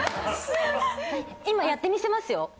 今やってみせますよ。